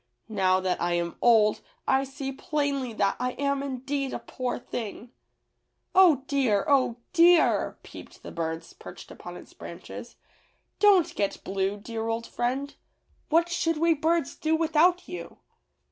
Now that I am old I see plainly that I am indeed a poor thing." "Oh, dear! oh, dear!" peeped the birds perched upon its branches. "Don't get blue. THE WILLOW'S WISH. 113 dear old frifend; what should we birds do without you?